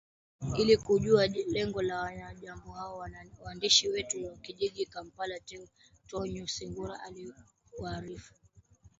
ili kujua lengo la wanamgambo hao mwaandishi wetu wa jijini kampala tony singoro anakuarifu